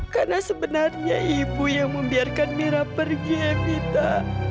karena sebenarnya ibu yang membiarkan mira pergi evita